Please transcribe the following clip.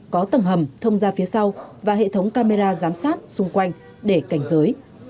có tầng hầm thông ra phía sau và hệ thống camera giám sát xung quanh để cảnh giới